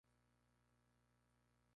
Se distribuyen por la Europa central.